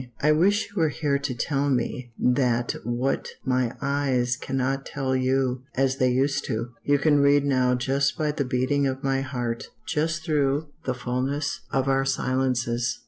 I wish you were here to tell me that what my eyes cannot tell you, as they used to, you can read now just by the beating of my heart, just through the fullness of our silences.